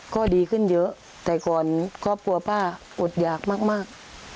ก็ดีขึ้นเยอะแต่ก่อนครอบครัวป้าอดหยากมาก